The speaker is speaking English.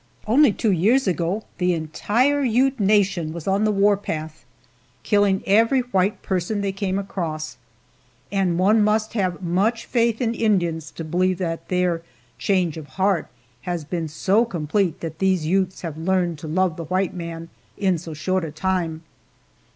Only two years ago the entire Ute nation was on the warpath, killing every white person they came across, and one must have much faith in Indians to believe that their "change of heart" has been so complete that these Utes have learned to love the white man in so short a time.